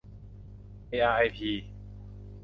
เออาร์ไอพี